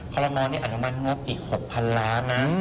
ขอรมอลนี่อนุมัติงบอีก๖๐๐๐ล้านนะ